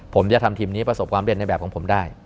ผมจะทำทีมนี้ประสบความเร็จในแบบของผมได้